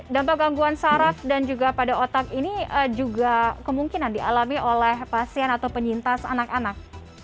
dampak gangguan saraf dan juga pada otak ini juga kemungkinan dialami oleh pasien atau penyintas anak anak